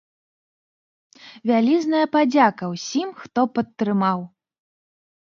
Вялізная падзяка ўсім, хто падтрымаў!